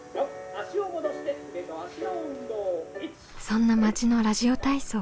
そんな町のラジオ体操。